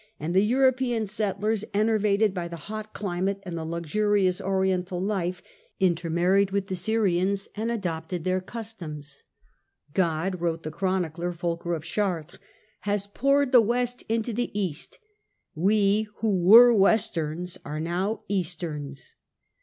^^ and the European settlers, enervated by the hot climate LYstgne^d and the luxurious Oriental life, intermarried with the the Crown) Syrians and adopted their customs. "God," wrote the chronicler Fulcher of Chartres, " has poured the West into the East ; we who were Westerns are now Easterns."